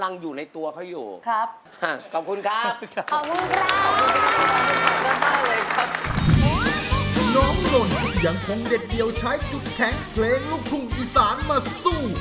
หนุ่มยังคงเด็ดเดี่ยวใช้จุดแข็งเพลงลูกทุ่งอีสานมาสู้